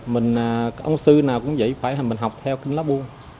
mình ông sư nào cũng vậy phải mình học theo kinh lá buông